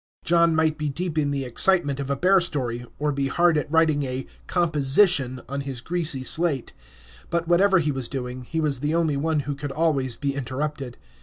John might be deep in the excitement of a bear story, or be hard at writing a "composition" on his greasy slate; but whatever he was doing, he was the only one who could always be interrupted.